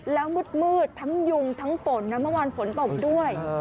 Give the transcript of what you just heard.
แล้วมืดทั้งยุงทั้งฝนนะเมื่อวานฝนตกด้วย